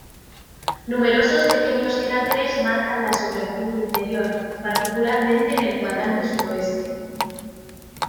Numerosos pequeños cráteres marcan la superficie interior, particularmente en el cuadrante suroeste.